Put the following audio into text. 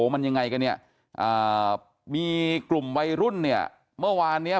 มันยังไงกันเนี่ยมีกลุ่มวัยรุ่นเนี่ยเมื่อวานเนี้ย